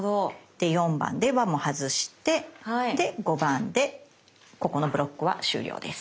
で４番で輪も外してで５番でここのブロックは終了です。